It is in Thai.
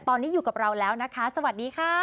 ตอนนี้อยู่กับเราแล้วนะคะสวัสดีค่ะ